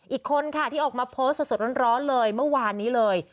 อีกคนค่ะที่ออกมาโพสต์สดร้อนเลยเมื่อวานนี้เลย